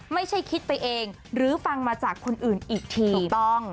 ไม่ใช่คิดไปเองหรือฟังมาจากคนอื่นอีกทีถูกต้อง